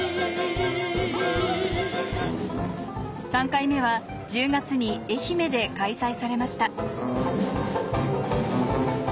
３回目は１０月に愛媛で開催されました